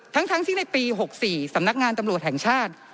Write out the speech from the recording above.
ทั้งที่ในปี๖๔สำนักงานตำรวจแห่งชาติ